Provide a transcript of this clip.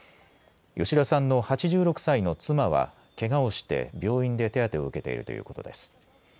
吉田さんの８６歳の妻はけがをして病院で手当てを受けているということです。